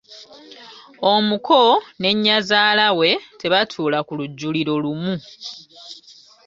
Omuko ne Nnyazaala we tebatuula ku lujjuliro lumu.